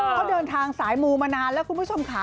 เขาเดินทางสายมูมานานแล้วคุณผู้ชมค่ะ